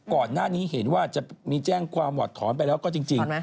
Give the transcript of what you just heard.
ก่อนหน้านี้เห็นว่าจะมีแจ้งความหวัดถอนไปแล้วก็จริง